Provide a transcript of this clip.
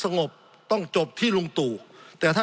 สงบจนจะตายหมดแล้วครับ